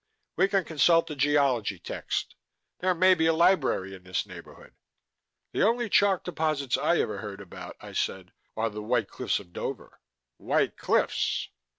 "We can consult a geology text. There may be a library in this neighborhood." "The only chalk deposits I ever heard about," I said, "are the White cliffs of Dover." "White cliffs...."